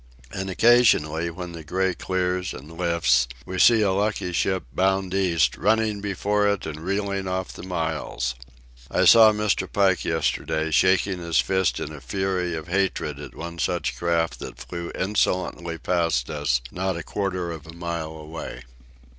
And occasionally, when the gray clears and lifts, we see a lucky ship, bound east, running before it and reeling off the miles. I saw Mr. Pike, yesterday, shaking his fist in a fury of hatred at one such craft that flew insolently past us not a quarter of a mile away.